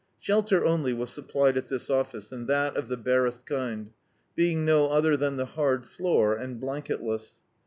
Shelter only was supplied at this office, and that of the barest kind, being no other than the hard floor, and btanketless.